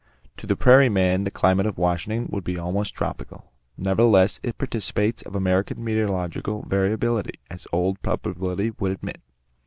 To the prairie man the climate of Washington would be almost tropical. Nevertheless, it participates of American meteorological variability, as "Old Probability" would admit.